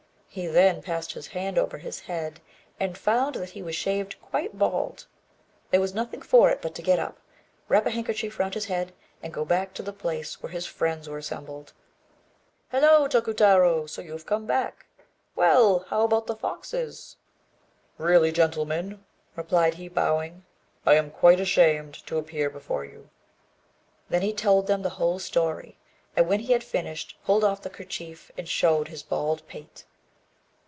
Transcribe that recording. He then passed his hand over his head, and found that he was shaved quite bald. There was nothing for it but to get up, wrap a handkerchief round his head, and go back to the place where his friends were assembled. "Hallo, Tokutarô! so you've come back. Well, how about the foxes?" "Really, gentlemen," replied he, bowing, "I am quite ashamed to appear before you." Then he told them the whole story, and, when he had finished, pulled off the kerchief, and showed his bald pate.